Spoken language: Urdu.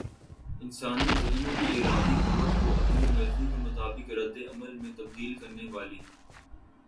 انسانی ذہنوں کی ارادی قوت کو اپنی مرضی کے مطابق ردعمل میں تبدیل کرنے والی